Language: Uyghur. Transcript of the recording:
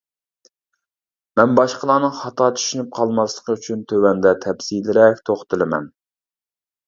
مەن باشقىلارنىڭ خاتا چۈشىنىپ قالماسلىقى ئۈچۈن تۆۋەندە تەپسىلىيرەك توختىلىمەن.